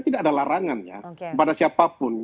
tidak ada larangan ya kepada siapapun